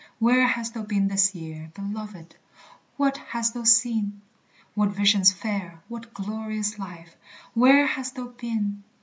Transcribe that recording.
Where hast thou been this year, beloved? What hast thou seen, What visions fair, what glorious life, Where hast thou been?